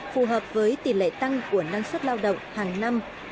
phù hợp với tỷ lệ tăng của năng suất lao động hàng năm